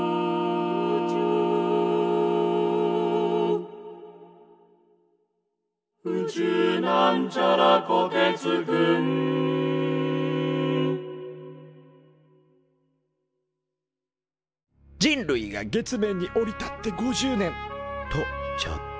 「宇宙」人類が月面に降り立って５０年！とちょっと。